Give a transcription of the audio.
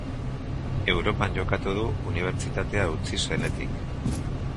Europan jokatu du Unibertsitatea utzi zenetik.